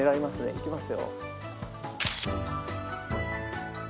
いきますよ。